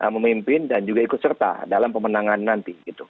memimpin dan juga ikut serta dalam pemenangan nanti